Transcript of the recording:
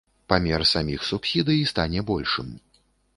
Памер саміх субсідый стане большым.